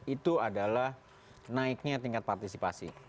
itu adalah naiknya tingkat partisipasi